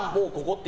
って。